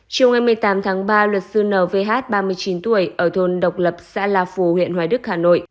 chiều ngày một mươi tám tháng ba luật sư nvh ba mươi chín tuổi ở thôn độc lập xã là phủ huyện hoài đức hà nội